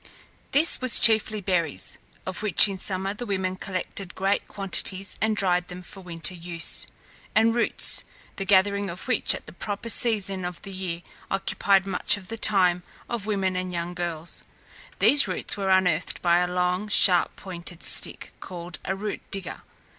This was chiefly berries of which in summer the women collected great quantities and dried them for winter use and roots, the gathering of which at the proper season of the year occupied much of the time of women and young girls. These roots were unearthed by a long, sharp pointed stick, called a root digger.